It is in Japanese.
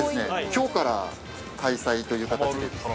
きょうから開催という形で。